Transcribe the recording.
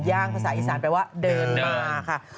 ย่างภาษาอีสานแปลว่าเดินมา